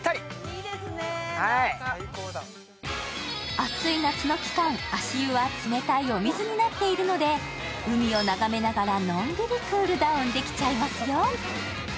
暑い夏の期間、足湯は冷たいお水になっていますので、海を眺めながらのんびりクールダウンできちゃいますよ。